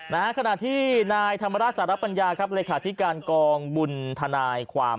นะฮะขณะที่นายธรรมราชสารปัญญาครับเลยค่ะที่การกองบุญทนายความ